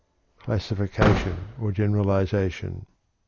CLASSIFICATION OR GENERALIZATION.